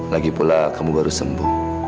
lagipula kamu baru sembuh